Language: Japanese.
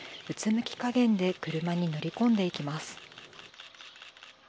うつむき加減で車に乗り込んでいきます。